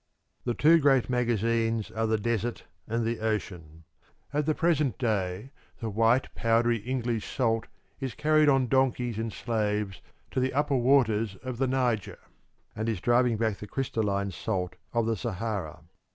The two great magazines are the desert and the ocean. At the present day the white, powdery English salt is carried on donkeys and slaves to the upper waters of the Niger, and is driving back the crystalline salt of the Sahara.